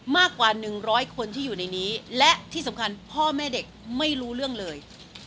มากกว่า๑๐๐คนที่อยู่ในนี้และที่สำคัญพ่อแม่เด็กไม่รู้เรื่องเลย